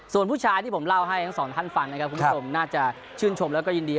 ส่วนผู้ชายที่ผมเล่าให้ทั้งสองท่านฟังนะครับคุณผู้ชมน่าจะชื่นชมแล้วก็ยินดี